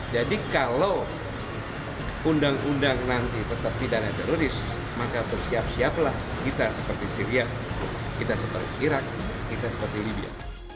jadi kalau undang undang nanti tetap pidana teroris maka bersiap siaplah kita seperti syria kita seperti irak kita seperti libya